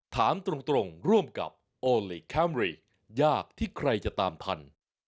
ถามตรงร่วมกับโอลี่คัมรี่ยากที่ใครจะตามทัน